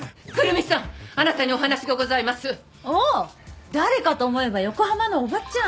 ああ誰かと思えば横浜のおばちゃん。